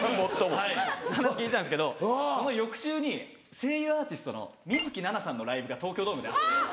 話聞いてたんですけどその翌週に声優アーティストの水樹奈々さんのライブが東京ドームであって。